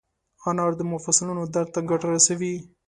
انار د مفصلونو درد ته ګټه رسوي.